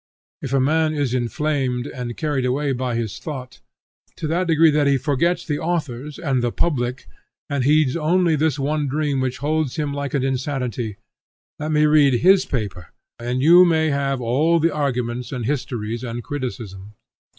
If a man is inflamed and carried away by his thought, to that degree that he forgets the authors and the public and heeds only this one dream which holds him like an insanity, let me read his paper, and you may have all the arguments and histories and criticism.